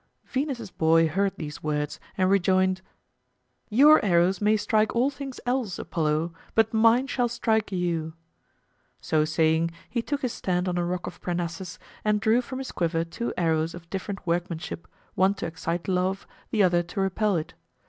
Venus's boy heard these words, and rejoined, "Your arrows may strike all things else, Apollo, but mine shall strike you." So saying, he took his stand on a rock of Parnassus, and drew from his quiver two arrows of different workmanship, one to excite love, the other to repel it.